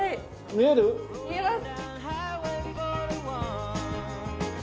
見えます。